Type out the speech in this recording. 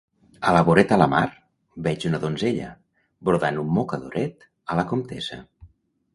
A la voreta la mar, veig una donzella; brodant un mocadoret, a la comtessa.